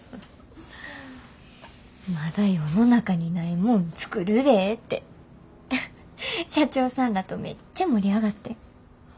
まだ世の中にないもん作るで！って社長さんらとめっちゃ盛り上がってん。